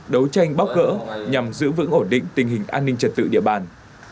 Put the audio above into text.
đấu tranh bóc gỡ nhằm giữ vững ổn định tình hình an ninh trật tự địa bàn